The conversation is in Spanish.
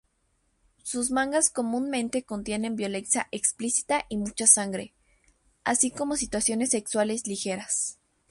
Sus mangas comúnmente contienen violencia explícita y mucha sangre, así como situaciones sexuales ligeras.